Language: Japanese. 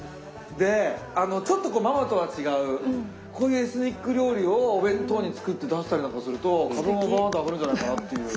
でちょっとママとは違うこういうエスニック料理をお弁当に作って出したりなんかすると株がワっと上がるんじゃないかなという。